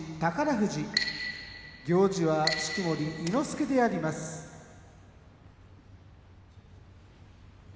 富士行司は式守伊之助であります。